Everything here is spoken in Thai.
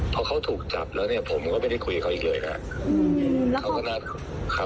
พอเขาถูกจับแล้วเนี่ยผมก็ไม่ได้คุยกับเขาอีกเลยนะครับ